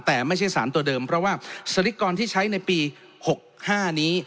แต่ไม่ใช่สารตัวเดิมเพราะว่าสลิกรที่ใช้ในปี๖๕นี้